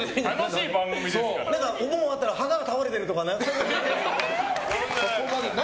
終わったら花が倒れてるとか。